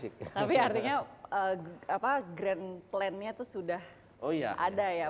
tapi artinya grand plan nya itu sudah ada ya pak ya